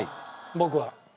僕は。